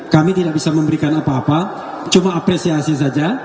kami tidak bisa memberikan apa apa cuma apresiasi saja